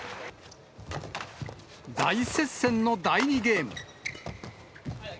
大接戦の第２ゲーム。